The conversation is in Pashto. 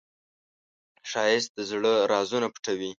ښایست د زړه رازونه پټوي